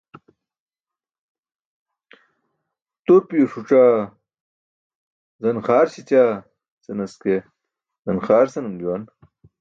Turpiyo suc̣aa? Zan-xaar śećaa? Senas ke, zan-xar senum juwan.